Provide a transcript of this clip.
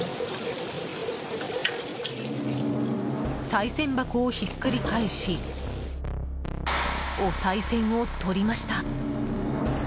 さい銭箱をひっくり返しおさい銭を取りました。